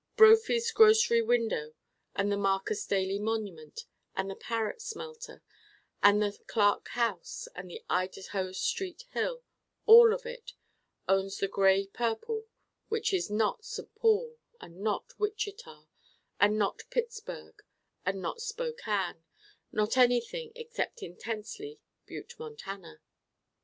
Brophy's grocery window and the Marcus Daly monument and the Parrot smelter and the Clark house and the Idaho Street hill all of it owns the gray purple which is not St. Paul and not Wichita and not Pittsburg and not Spokane: not anything except intensely Butte Montana.